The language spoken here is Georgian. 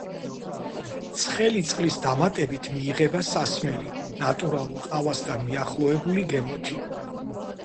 ცხელი წყლის დამატებით მიიღება სასმელი, ნატურალურ ყავასთან მიახლოებული გემოთი.